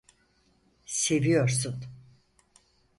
Seviyorsun!